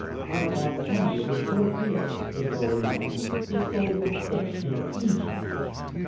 "There are plenty of his sort here," the girl remarked; "his soul would fit in a flea track."